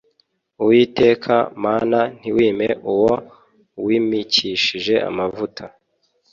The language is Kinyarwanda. uwiteka mana ntiwime uwo wimikishije amavuta